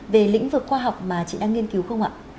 về lĩnh vực khoa học mà chị đang nghiên cứu không ạ